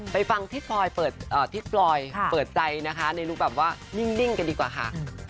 ไปฟังทิศพลอยเปิดใจนะคะในลุคแบบว่านิ่งกันดีกว่าค่ะ